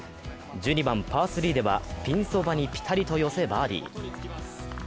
１２番・パー３ではピンそばにピタリと寄せバーディー。